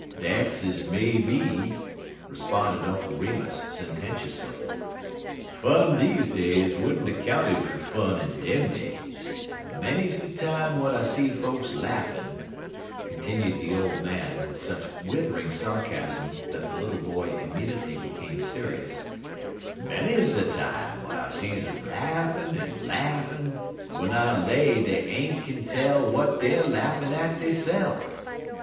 "Dat's ez may be," responded Uncle Remus, sententiously. "Fun deze days would n't er counted fer fun in dem days; en many's de time w'at I see folks laughin'," continued the old man, with such withering sarcasm that the little boy immediately became serious, "many's de time w'at I sees um laughin' en laughin', w'en I lay dey ain't kin tell w'at deyer laughin' at deyse'f.